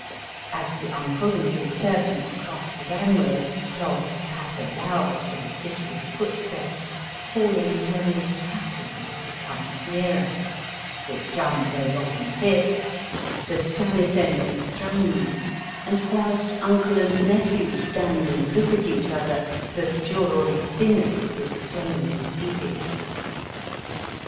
As the uncle and his servant cross the gang way clogs patter loud for the distant footsteps, falling to a mere tapping as he come& nearer ; the drum goes off in a fit, the samisen is thrummed, and whilst uncle and nephew stand and look at each other the J6ruri singers explain their feelings.